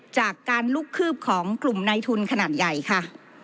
จากการลุกคืบของกลุ่มในทุนขนาดใหญ่ค่ะ